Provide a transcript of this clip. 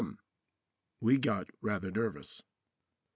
M.," we got rather nervous.